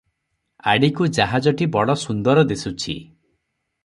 ଆଡ଼ିକୁ ଜାହଜଟି ବଡ଼ ସୁନ୍ଦର ଦିଶୁଛି ।